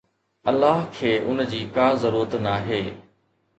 الله کي ان جي ڪا ضرورت ناهي